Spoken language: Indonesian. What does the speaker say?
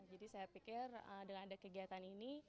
jadi saya pikir dengan ada kegiatan ini